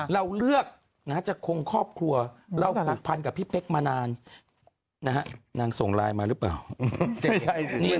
เราเลือกจะคงครอบครัวเราผูกพันกับพี่เป๊กมานานนางส่งไลน์มาหรือเปล่า